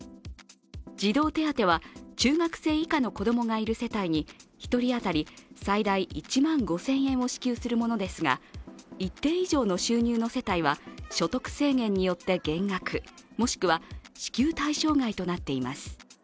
児童手当は、中学生以下の子供がいる世帯に１人当たり最大１万５０００円を支給するものですが、一定以上の収入の世帯は所得制限によって減額もしくは支給対象外となっています。